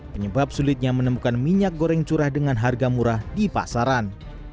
penyebab sulitnya menemukan minyak goreng curah dengan harga murah di pasaran